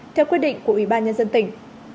theo quy định của ủy ban nhân dân tỉnh